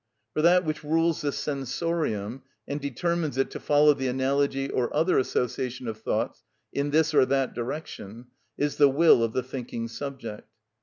For that which rules the sensorium, and determines it to follow the analogy or other association of thoughts in this or that direction, is the will of the thinking subject.